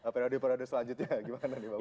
periode periode selanjutnya gimana nih pak pak rizwan